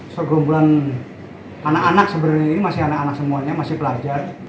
segumpulan anak anak sebenarnya ini masih anak anak semuanya masih pelajar